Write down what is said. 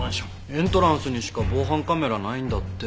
エントランスにしか防犯カメラないんだって。